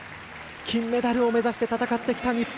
金メダルを目指して戦ってきた日本。